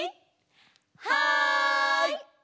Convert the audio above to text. はい！